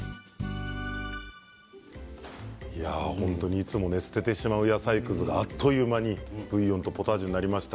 いつも捨ててしまう野菜くずが、あっという間にブイヨンとポタージュになりました。